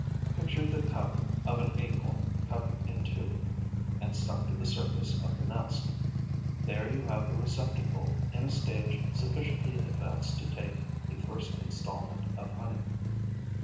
Picture the cup of an acorn cut in two and stuck to the surface of the nest: there you have the receptacle in a stage sufficiently advanced to take a first instalment of honey.